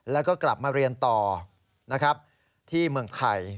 แล้วก็กลับมาเรียนต่อนะครับที่เมืองไทย